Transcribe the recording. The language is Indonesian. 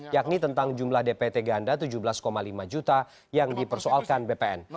yakni tentang jumlah dpt ganda tujuh belas lima juta yang dipersoalkan bpn